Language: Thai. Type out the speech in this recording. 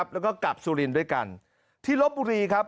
แล้วก็กลับสุรินทร์ด้วยกันที่ลบบุรีครับ